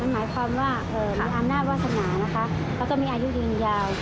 หมายพร้อมว่ามีอาณาวาสนาและมีอายุรินยาว